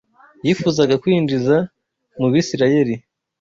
yifuzaga kwinjiza mu Bisirayeli